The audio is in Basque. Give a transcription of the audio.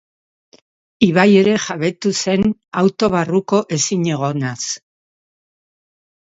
Ibai ere jabetu zen auto barruko ezinegonaz.